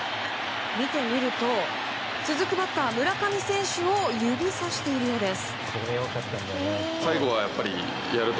見てみると続くバッター村上選手を指さしているようです。